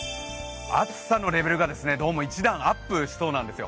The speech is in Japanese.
暑さのレベルがどうも一段アップしそうなんですよ。